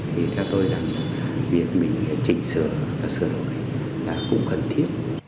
thì theo tôi rằng việc mình chỉnh sửa và sửa đổi là cũng cần thiết